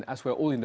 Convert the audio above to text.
dan hal lainnya